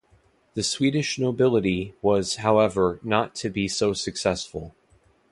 The Swedish nobility was however not to be so successful.